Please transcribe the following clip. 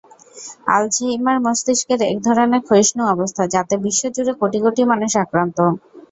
Alzheimer মস্তিষ্কের একধরনের ক্ষয়িষ্ণু অবস্থা, যাতে বিশ্বজুড়ে কোটি কোটি মানুষ আক্রান্ত।